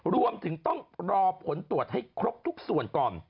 รวมถึงต้องรอผลตรวจให้ครบทุกส่วนก่อน